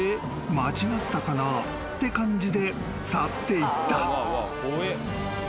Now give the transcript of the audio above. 間違ったかな？」って感じで去っていった］